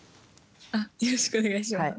よろしくお願いします。